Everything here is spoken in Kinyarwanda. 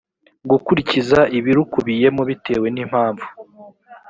gukurikiza ibirukubiyemo bitewe n impamvu